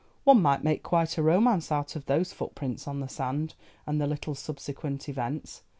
One might make quite a romance out of those footprints on the sand, and the little subsequent events.